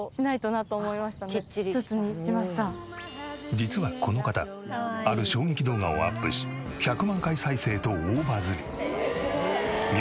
実はこの方ある衝撃動画をアップし１００万回再生と大バズり。